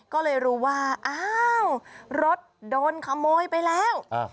ก็เลยรู้ว่าอ้าวรถโดนขโมยไปแล้ว